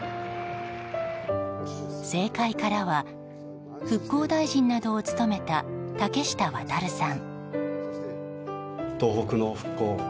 政界からは復興大臣などを務めた竹下亘さん。